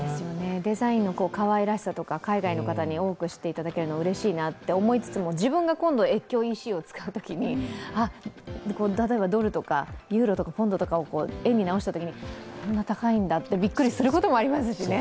デザインのかわいらしさとか海外の方に多く知ってもらうのはうれしいなと思いつつも、自分が今度越境ＥＣを使うときに、例えばドルとかユーロとかポンドを円に直したときにこんな高いんだとびっくりすることもありますしね。